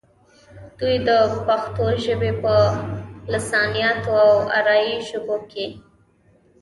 دوي د پښتو ژبې پۀ لسانياتو او اريائي ژبو کښې